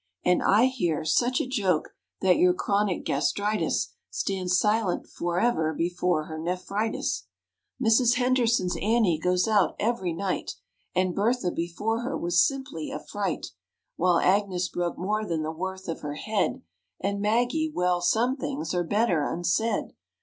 And I hear (such a joke!) that your chronic gastritis Stands silent forever before her nephritis. Mrs. Henderson's Annie goes out every night, And Bertha, before her, was simply a fright, While Agnes broke more than the worth of her head, And Maggie well, some things are better unsaid.